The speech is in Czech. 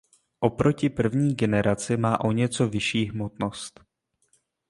Oproti první generaci má o něco vyšší hmotnost.